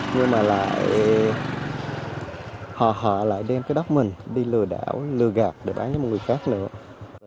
nhưng mà lại họ lại đem cái đất mình đi lừa đảo lừa gạt để bán cho một người khác nữa